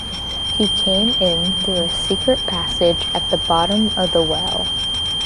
He came in through a secret passage at the bottom of the well.